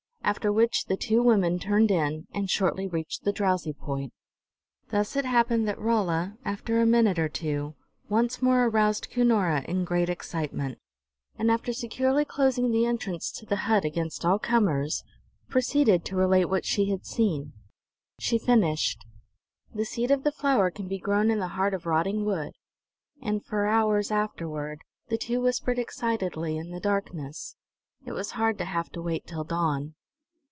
After which the two women turned in, and shortly reached the drowsy point. Thus it happened that Rolla, after a minute or two, once more aroused Cunora in great excitement, and after securely closing the entrance to the hut against all comers, proceeded to relate what she had seen. She finished: "The seed of the flower can be grown in the heart of rotting wood!" And for hours afterward the two whispered excitedly in the darkness. It was hard to have to wait till dawn.